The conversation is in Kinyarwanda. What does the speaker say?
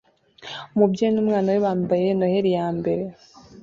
Umubyeyi n'umwana we bambaye "Noheri ya mbere"